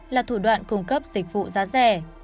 là thủ đoạn cung cấp dịch vụ giá rẻ